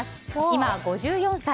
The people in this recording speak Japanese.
今５４歳。